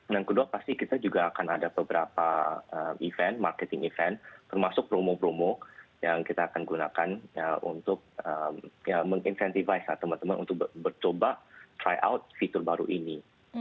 yang kedua pasti kita juga akan ada beberapa event marketing event termasuk promo promo yang kita akan gunakan untuk mengincentivize teman teman untuk mencoba tryout fitur baru ini